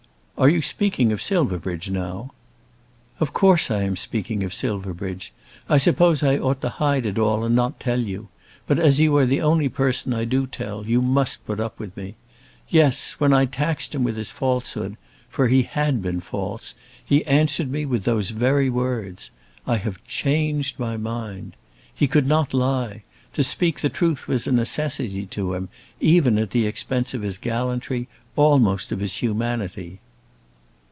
"Are you speaking of Silverbridge now?" "Of course I am speaking of Silverbridge. I suppose I ought to hide it all and not to tell you. But as you are the only person I do tell, you must put up with me. Yes; when I taxed him with his falsehood, for he had been false, he answered me with those very words! 'I have changed my mind.' He could not lie. To speak the truth was a necessity to him, even at the expense of his gallantry, almost of his humanity."